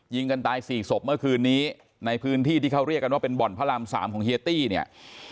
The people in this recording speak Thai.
กันตายสี่ศพเมื่อคืนนี้ในพื้นที่ที่เขาเรียกกันว่าเป็นบ่อนพระรามสามของเฮียตี้เนี่ย